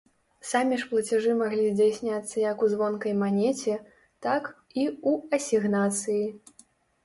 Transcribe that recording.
Самі ж плацяжы маглі здзяйсняцца як у звонкай манеце, так і ў асігнацыі.